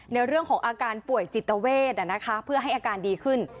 ในเรื่องของอาการป่วยจิตเวทเพื่อให้อาการดีขึ้น